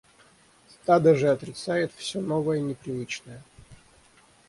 Стадо же отрицает все новое, непривычное.